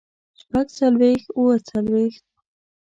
شپږ څلوېښت اووه څلوېښت